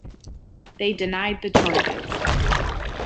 They denied the charges.